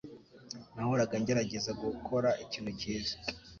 Nahoraga ngerageza gukora ikintu cyiza